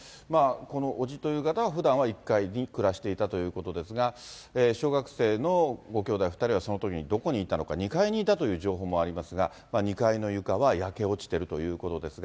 この伯父という方は、ふだんは１階に暮らしていたということですが、小学生のご兄弟２人はそのときにどこにいたのか、２階にいたという情報もありますが、２階の床は焼け落ちてるということですが。